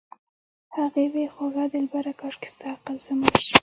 هغې وې خوږه دلبره کاشکې ستا عقل زما شي